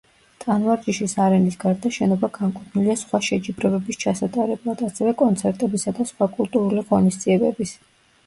ტანვარჯიშის არენის გარდა შენობა განკუთვნილია სხვა შეჯიბრებების ჩასატარებლად, ასევე კონცერტებისა და სხვა კულტურული ღონისძიებების.